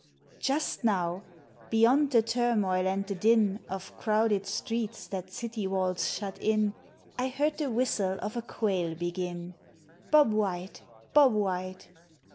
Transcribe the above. JUST now, beyond the turmoil and the din Of crowded streets that city walls shut in, I heard the whistle of a quail begin: "Bob White! Bob White!"